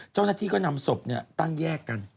เจ้าหน้าที่ก็นำศพตั้งแยกกัน